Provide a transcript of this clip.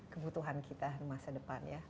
kebutuhan kita masa depan ya